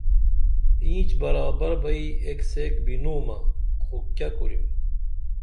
اینچ برابر بئی ایک سیک بِنُومہ خو کیہ کُرِم